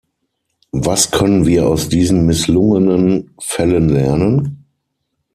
Was können wir aus diesen misslungenen Fällen lernen?